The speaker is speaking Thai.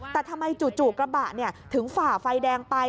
แต่ทำไมจู่กระบะถึงฝ่าไฟแดงไป